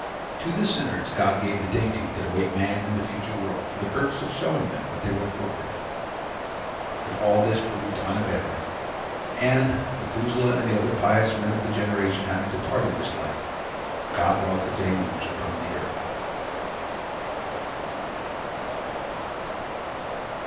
To the sinners God gave the dainties that await man in the future world, for the purpose of showing them what they were forfeiting. But all this proved unavailing, and, Methuselah and the other pious men of the generation having departed this life, God brought the deluge upon the earth.